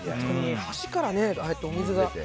橋からああやってお水が。